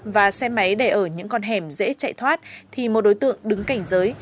và xe máy để ở những con hẻm dễ chạy thoát thì một đối tượng đứng cảnh giới